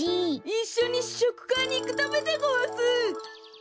いっしょにししょくかいにいくためでごわす！